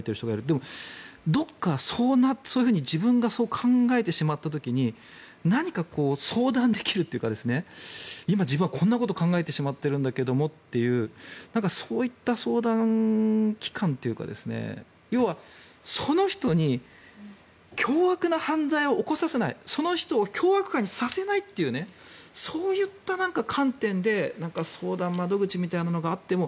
でもどこかそういうふうに自分がそう考えてしまった時に何か相談できるというか今、自分はこんなことを考えてしまっているんだけどもっていうそういった相談機関というか要はその人に凶悪な犯罪を起こさせないその人を凶悪犯にさせないというそういった観点で相談窓口みたいなのがあっても。